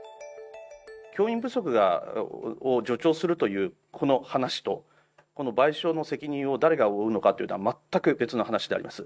教員不足を助長するというこの話と、この賠償の責任を誰が負うのかというのは全く別の話であります。